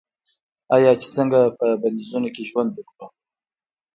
آیا چې څنګه په بندیزونو کې ژوند وکړو؟